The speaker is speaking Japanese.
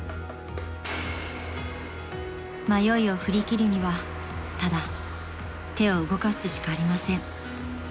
［迷いを振り切るにはただ手を動かすしかありません］